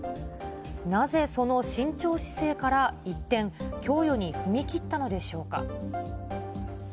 なぜその慎重姿勢から一転、供与に踏み切ったのでしょうか。